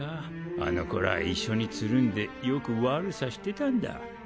あの頃は一緒につるんでよく悪さしてたんだ。